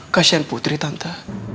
kasian putri tante